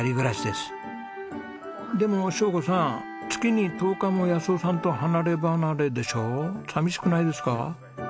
でも晶子さん月に１０日も夫さんと離れ離れでしょう寂しくないですか？